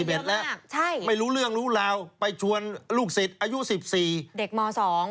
เออเรื่องนี้คนสนใจเยอะมาก